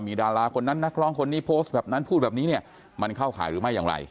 มีดาราคนนั้นนักร้องคนนี้พูดแบบนี้มันเข้าขายหรือไม่อย่างไร